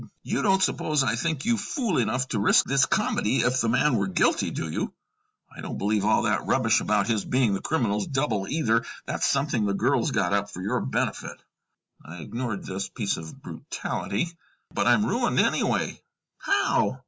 "You don't suppose I think you fool enough to risk this comedy if the man were guilty, do you? I don't believe all that rubbish about his being the criminal's double, either. That's something the girls got up for your benefit." I ignored this piece of brutality. "But I'm ruined anyway." "How?"